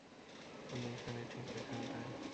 আমি এখানে, ঠিক এখানটায়।